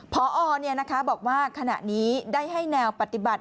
พอบอกว่าขณะนี้ได้ให้แนวปฏิบัติ